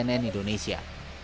tim liputan cnn indonesia